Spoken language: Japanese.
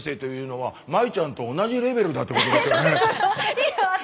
はい。